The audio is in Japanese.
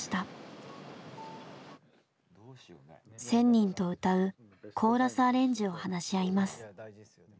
１，０００人と歌うコーラスアレンジを話し合います。